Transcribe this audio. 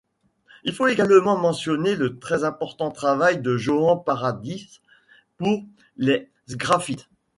Il faut également mentionner le très important travail de Joan Paradís pour les sgraffites.